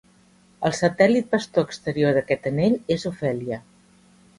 El satèl·lit pastor exterior d'aquest anell és Ofèlia.